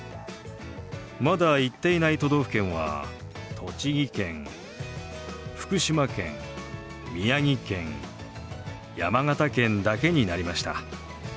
まだ行っていない都道府県は栃木県福島県宮城県山形県だけになりました。